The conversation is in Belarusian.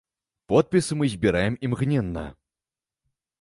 Подпісы мы збіраем імгненна!